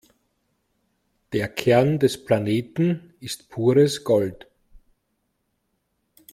Der Kern des Planeten ist pures Gold.